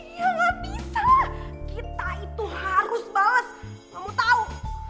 iya gak bisa kita itu harus bales kamu tau